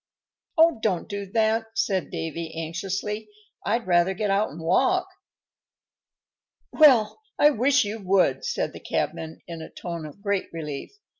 "Oh! don't do that," said Davy, anxiously. "I'd rather get out and walk." "Well, I wish you would," said the cabman, in a tone of great relief.